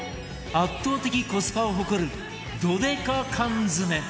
圧倒的コスパを誇るどでか缶詰